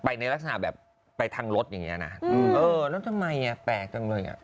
ไปในลักษณะแบบไปทางรถอย่างนี้น่ะเออแล้วทำไมแปลกจังเลย